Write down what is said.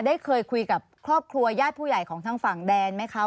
ได้เคยคุยกับครอบครัวญาติผู้ใหญ่ของทางฝั่งแดนไหมคะ